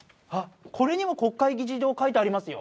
これにも国会議事堂描いてありますよ